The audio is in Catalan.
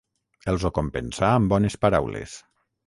Els ho compensà amb bones paraules.